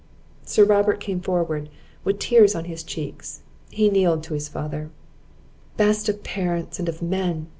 Sir Robert came forward with tears on his cheeks; he kneeled to his father. "Best of parents, and of men!"